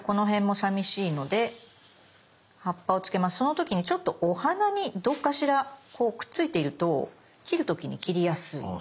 その時にちょっとお花にどっかしらこうくっついていると切る時に切りやすいので。